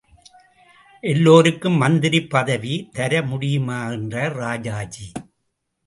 எல்லோருக்கும் மந்திரி பதவி தரமுடியுமா என்றார் ராஜாஜி.